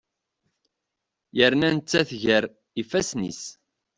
Yerna nettat gar ifasen-is.